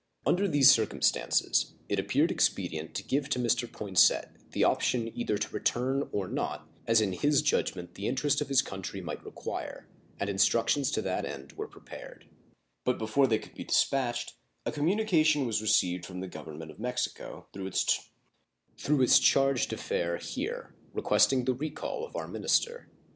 Under these circumstances it appeared expedient to give to Mr. Poinsett the option either to return or not, as in his judgment the interest of his country might require, and instructions to that end were prepared; but before they could be dispatched a communication was received from the Government of Mexico, through its charge d'affaires here, requesting the recall of our minister.